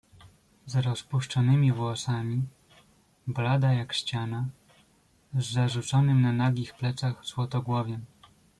"Z rozpuszczonymi włosami, blada jak ściana, z zarzuconym na nagich plecach złotogłowiem."